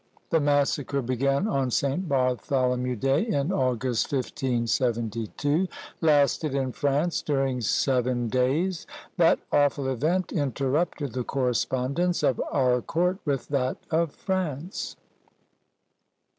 The massacre began on St. Bartholomew day, in August, 1572, lasted in France during seven days: that awful event interrupted the correspondence of our court with that of France.